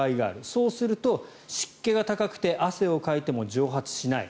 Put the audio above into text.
そうすると、湿気が高くて汗をかいても蒸発しない。